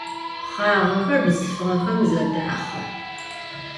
Xhağexer bzılhfığexem zedaxhe.